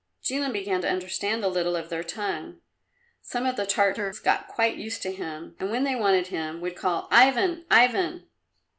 Jilin began to understand a little of their tongue. Some of the Tartars got quite used to him, and when they wanted him would call "Ivan, Ivan!"